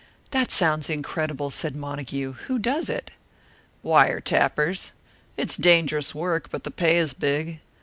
"That sounds incredible!" said Montague. "Who does it?" "Wire tappers. It's dangerous work, but the pay is big.